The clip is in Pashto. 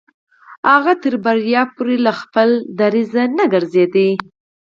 هغه تر بريا پورې له خپل دريځه نه ګرځېده.